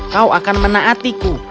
kau akan menaatiku